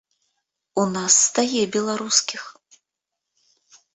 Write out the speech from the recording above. У нас стае беларускіх.